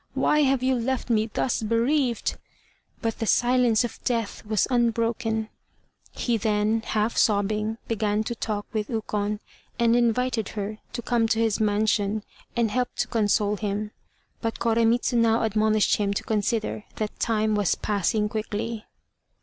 Why have you left me thus bereaved?" But the silence of death was unbroken! He then, half sobbing, began to talk with Ukon, and invited her to come to his mansion, and help to console him. But Koremitz now admonished him to consider that time was passing quickly.